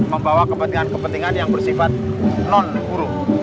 membawa kepentingan kepentingan yang bersifat non buruh